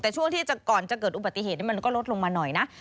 แต่ช่วงที่ก่อนจะเกิดอุบัติเหตุมันก็ลดลงมาหน่อยนะ